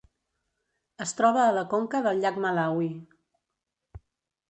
Es troba a la conca del llac Malawi.